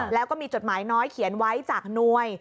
แล้วก็มีจดหมายน้อยเขียนไว้จากหน่วย